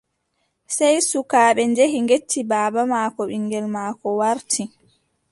Sey sukaaɓe njehi ngecci baaba maako ɓiŋngel maako warti.